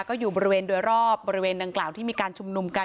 ก็อยู่บริเวณโดยรอบบริเวณดังกล่าวที่มีการชุมนุมกัน